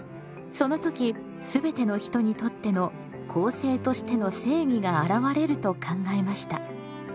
その時全ての人にとっての「公正としての正義」があらわれると考えました。